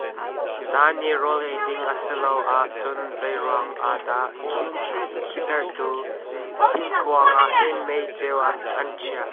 Zaan i rawl ei ding a si lo ah cun zei ruang ah dah kihtertu thingkuang ah hin meiceu an chiah.